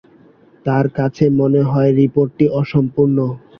তাঁর কাছে মনে হল রিপোর্টটি অসম্পূর্ণ।